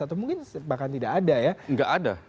atau mungkin bahkan tidak ada ya nggak ada